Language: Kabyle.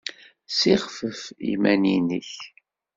Ssixfef iman-nnek!